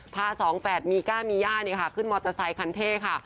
สองแฝดมีก้ามีย่าขึ้นมอเตอร์ไซคันเท่ค่ะ